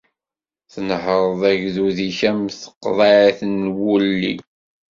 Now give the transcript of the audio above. Tnehreḍ agdud-ik am tqeḍɛit n wulli.